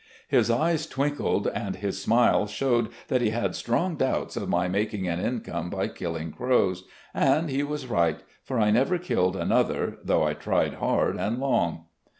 His eyes twinkled, and his smile showed that he had strong doubts of my making an income by killing crows, and he was right, for I never killed another, though I tried hard and long.